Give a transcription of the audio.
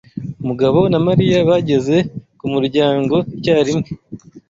Mugabo na Mariya bageze ku muryango icyarimwe.